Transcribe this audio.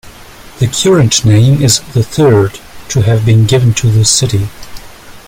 The current name is the third to have been given to the city.